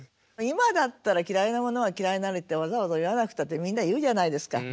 今だったら「嫌ひなものは嫌ひなり」ってわざわざ言わなくたってみんな言うじゃないですか。